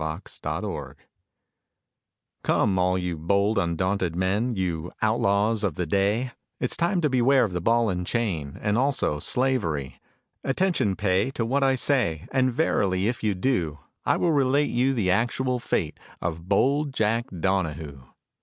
JACK DONAHOO Come, all you bold, undaunted men, You outlaws of the day, It's time to beware of the ball and chain And also slavery. Attention pay to what I say, And verily if you do, I will relate you the actual fate Of bold Jack Donahoo.